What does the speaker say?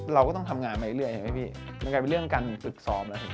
เราก็ต้องทำงานไปเรื่อยก่อนมันกลายเป็นเรื่องการปลึกซ้อม